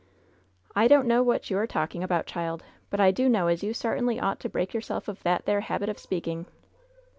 "I don't know what you are talking about, child ; but I do know as you sartainly ought to break yourself of that there habit of speaking."